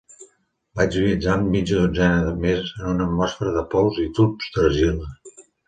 Vaig viatjar amb mitja dotzena més en una atmosfera de pols i tubs d'argila.